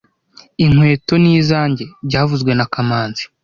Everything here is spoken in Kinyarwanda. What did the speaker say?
Inkweto ni izanjye byavuzwe na kamanzi